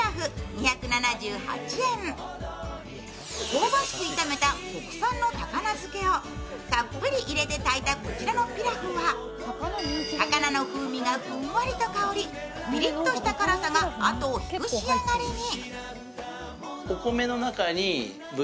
香ばしく炒めた国産の高菜漬けをたっぷり入れて炊いたこちらのピラフは、高菜の風味がふんわりと香りぴりっとした辛さが後を引く仕上がりに。